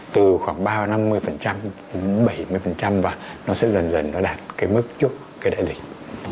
từ khoảng ba mươi năm mươi bảy mươi và nó sẽ dần dần đạt mức chốt đại dịch